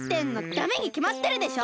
ダメにきまってるでしょ！